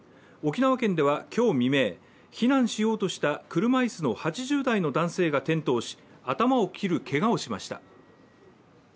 沖縄県では今日未明、避難しようとした車いすの８０代の男性が転倒し頭を切るけがをしました。